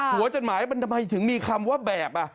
จดหมายมันทำไมถึงมีคำว่าแบบ